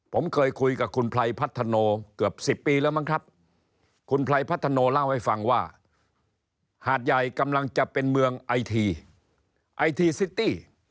ผมเคยคุยกับคุณไพรพัฒโนเกือบ๑๐ปีแล้วมั้งครับคุณไพรพัฒโนเล่าให้ฟังว่าหาดใหญ่กำลังจะเป็นเมืองไอทีไอทีซิตี้